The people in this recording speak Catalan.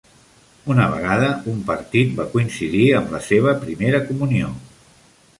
Una vegada, un partit va coincidir amb la serva primera comunió.